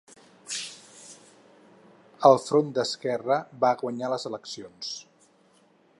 El Front d'Esquerra va guanyar les eleccions.